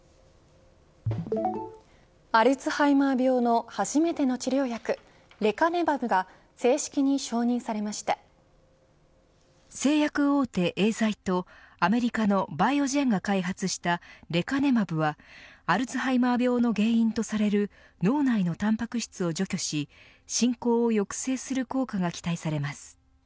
アルツハイマー病の初めての治療薬レカネマブが製薬大手エーザイとアメリカのバイオジェンが開発したレカネマブはアルツハイマー病の原因とされる脳内のタンパク質を除去し進行を抑制する効果が期待されます。